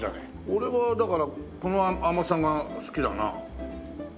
俺はだからこの甘さが好きだな。